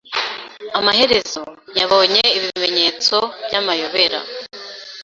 Amaherezo, yabonye ibimenyetso byamayobera.